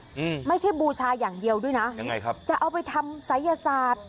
อืมไม่ใช่บูชาอย่างเดียวด้วยนะยังไงครับจะเอาไปทำศัยศาสตร์